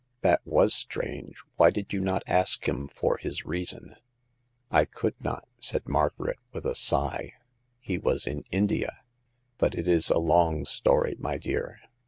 "That was strange. Why did you not ask him for his reason ?"I could not," said Margaret, with a sigh ;" he was in India. But it is a long story, my dear.